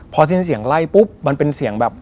พอสิ้นเสียงไล่ปุ๊บมันเป็นเสียงแบบ